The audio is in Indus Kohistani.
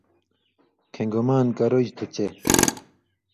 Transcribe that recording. کھیں گُمان کرُژ تُھو چے